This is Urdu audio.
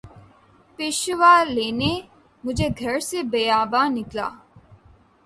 پیشوا لینے مجھے گھر سے بیاباں نکلا